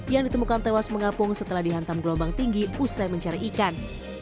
yang ditemukan tewas mengapung setelah dihantam gelombang tinggi usai mencari ikan